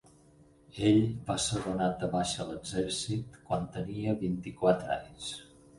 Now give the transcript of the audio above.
Ell va ser donat de baixa a l'exèrcit quan tenia vint-i-quatre anys.